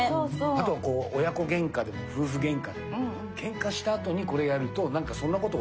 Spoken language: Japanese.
あとは親子げんかでも夫婦げんかでもけんかしたあとにこれやるとなんかそんなこと忘れて。